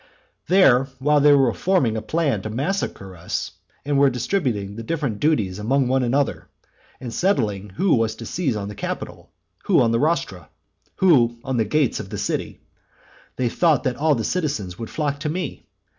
There, while they were forming a plan to massacre us, and were distributing the different duties among one another, and settling who was to seize on the Capitol, who on the rostra, who on the gates of the city, they thought that all the citizens would flock to me.